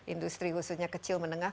industri khususnya kecil menengah